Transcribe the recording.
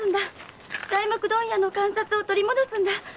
材木問屋の鑑札を取り戻すんだ。